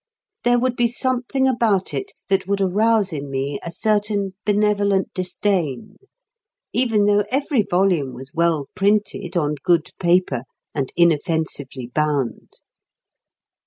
There would be something about it that would arouse in me a certain benevolent disdain, even though every volume was well printed on good paper and inoffensively bound.